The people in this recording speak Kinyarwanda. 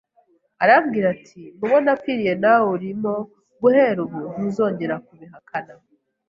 arambwira ati: mubo napfiriye nawe urimo guhera ubu ntuzongere kubihakana